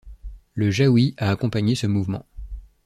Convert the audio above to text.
Le jawi a accompagné ce mouvement.